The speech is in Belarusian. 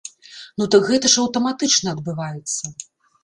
Ну так гэта ж аўтаматычна адбываецца!